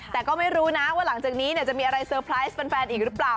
แต่ก็ไม่รู้นะว่าหลังจากนี้จะมีอะไรเซอร์ไพรส์แฟนอีกหรือเปล่า